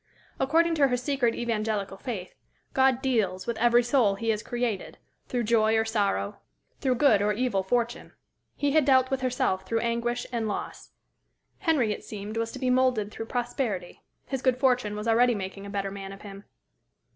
According to her secret Evangelical faith, God "deals" with every soul he has created through joy or sorrow, through good or evil fortune. He had dealt with herself through anguish and loss. Henry, it seemed, was to be moulded through prosperity. His good fortune was already making a better man of him.